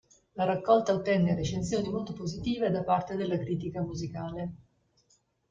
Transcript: La raccolta ottenne recensioni molto positive da parte della critica musicale.